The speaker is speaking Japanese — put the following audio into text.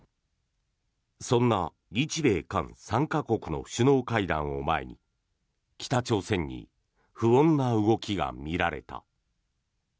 そんな日米韓３か国の首脳会談を前に北朝鮮に不穏な動きが見られた。